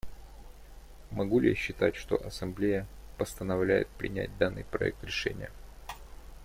Могу ли я считать, что Ассамблея постановляет принять данный проект решения?